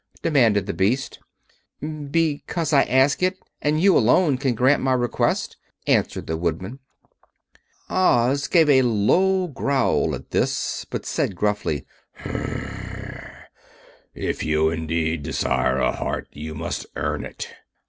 demanded the Beast. "Because I ask it, and you alone can grant my request," answered the Woodman. Oz gave a low growl at this, but said, gruffly: "If you indeed desire a heart, you must earn it."